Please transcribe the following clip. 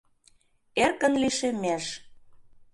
Эркын лишемеш.